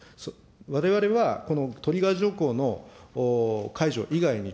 われわれはこのトリガー条項の解除以外に、